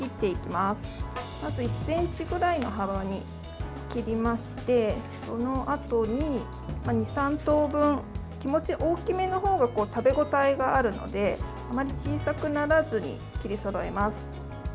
まず１ｃｍぐらいの幅に切りましてそのあとに、２３等分気持ち大きめの方が食べ応えがあるのであまり小さくならずに切りそろえます。